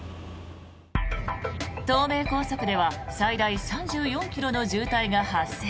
東名高速では最大３４ｋｍの渋滞が発生。